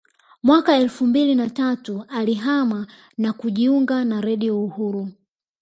Mwaka elfu mbili na tatu alihama na kujiunga na Redio Uhuru